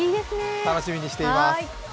楽しみにしています。